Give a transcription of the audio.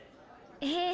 ええ。